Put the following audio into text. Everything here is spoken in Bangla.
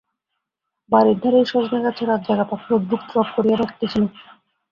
বাড়ীর ধারেই সজনে গাছে রাতজাগা পাখী অদ্ভুত রব করিয়া ডাকিতেছিল।